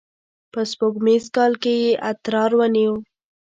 په سپوږمیز کال کې یې اترار ونیو.